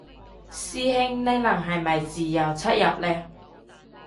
師兄呢輪係咪自由出入嘞